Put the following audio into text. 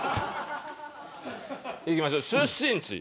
いきましょう出身地。